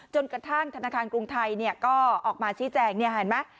จนกระทั่งธนาคารกรุงไทยก็ออกมาชี้แจงเห็นไหม